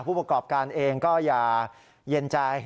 ผู้ประกอบการเองก็อย่าเย็นใจ